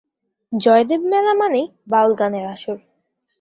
জয়দেব মেলা মানেই বাউল গানের আসর।